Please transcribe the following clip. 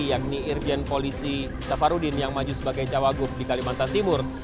yakni irjen polisi safarudin yang maju sebagai cawagup di kalimantan timur